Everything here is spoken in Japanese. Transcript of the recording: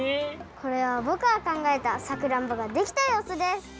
これはぼくがかんがえたさくらんぼができたようすです。